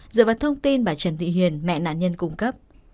dựa vào thông tin bà trần thị hiền mẹ nạn nhân cung cấp